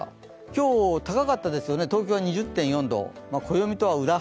今日高かったですよね、東京は２０．４度。